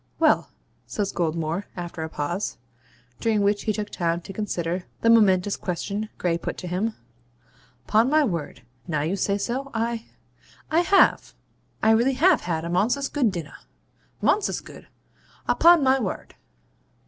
'Well,' says Goldmore, after a pause, during which he took time to consider the momentous question Gray put to him ' 'Pon my word now you say so I I have I really have had a monsous good dinnah monsous good, upon my ward!